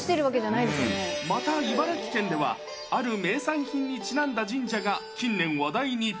また、茨城県では、ある名産品にちなんだ神社が近年話題に。